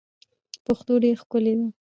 پښتو ډیر ښکلی دی.